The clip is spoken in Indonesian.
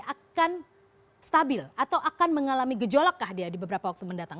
akan stabil atau akan mengalami gejolak kah dia di beberapa waktu mendatang